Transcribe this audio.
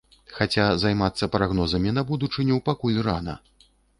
Хаця займацца прагнозамі на будучыню пакуль рана.